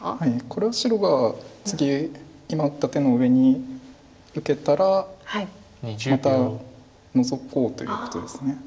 これは白が次今打った手の上に受けたらまたノゾこうということです。